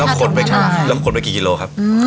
รับขนไปกี่กิโลครับ